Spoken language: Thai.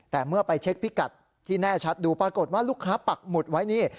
แต่เมื่อไปเช็คพิกัดที่แน่ชัดดูปรากฏว่าลูกค้าปักหมุดไว้นี่